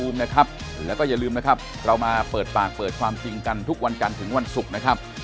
มันคนละเรื่องนะถูกครับ